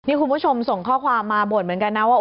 นี่คุณผู้ชมส่งข้อความมาบ่นเหมือนกันนะว่า